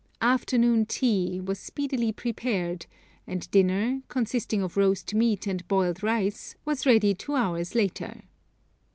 'Afternoon tea' was speedily prepared, and dinner, consisting of roast meat and boiled rice, was ready two hours later.